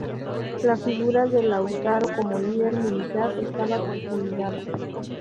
La figura de Lautaro como líder militar estaba consolidada.